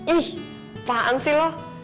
ih apaan sih lo